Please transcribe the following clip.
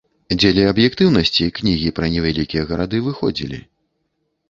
Дзеля аб'ектыўнасці, кнігі пра невялікія гарады выходзілі.